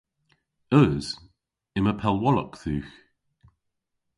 Eus. Yma pellwolok dhywgh.